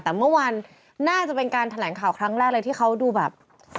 แต่เมื่อวานน่าจะเป็นการแถลงข่าวครั้งแรกเลยที่เขาดูแบบ